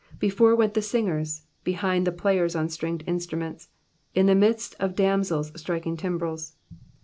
26 Before went the singers, behind the players on stringed instruments, In the midst of damsels striking timbrels.